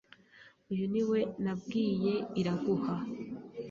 Uyu niwe nabwiye Iraguha.